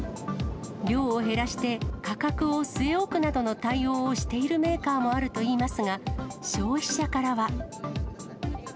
量を減らして価格を据え置くなどの対応をしているメーカーもある困りますね。